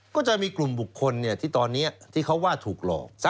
ก็จะมีกลุ่มบุคคลที่ตอนนี้ที่เขาว่าถูกหลอก